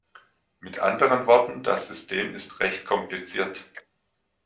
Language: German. Mit anderen Worten, das System ist recht kompliziert.